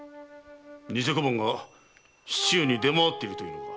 偽小判が市中に出回っているというのか？